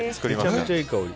めちゃめちゃいい香り。